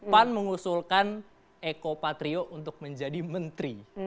pan mengusulkan eko patrio untuk menjadi menteri